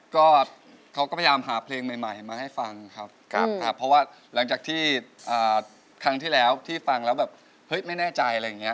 ก็เขาก็พยายามหาเพลงใหม่มาให้ฟังครับเพราะว่าหลังจากที่ครั้งที่แล้วที่ฟังแล้วแบบเฮ้ยไม่แน่ใจอะไรอย่างนี้